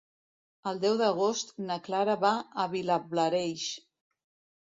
El deu d'agost na Clara va a Vilablareix.